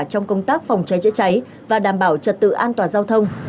trong công tác phòng cháy chữa cháy và đảm bảo trật tự an toàn giao thông